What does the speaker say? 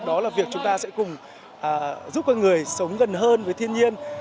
đó là việc chúng ta sẽ cùng giúp con người sống gần hơn với thiên nhiên